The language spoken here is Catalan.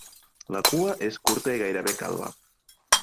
La cua és curta i gairebé calba.